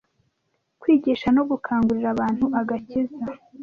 Kwigisha no gukangurira abantu agakiza